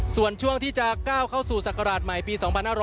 ส่วนช่วงที่จะก้าวเข้าสู่ศักราชใหม่ปี๒๕๖๐